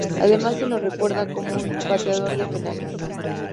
Además se lo recuerda como un pateador de penales.